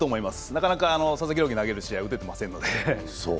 なかなか佐々木朗希、投げる試合で打ててないですから。